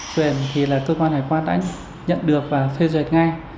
quyền thì là cơ quan hải quan đã nhận được và phê duyệt ngay